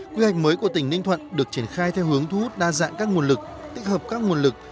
quy hạch mới của tỉnh ninh thuận được triển khai theo hướng thu hút đa dạng các nguồn lực tích hợp các nguồn lực